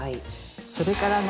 それからね